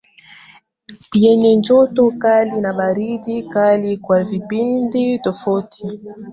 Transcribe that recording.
Yenye joto kali na baridi kali kwa vipindi tofauti